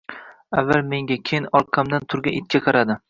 Avval menga, keyin orqamda turgan itga qaradi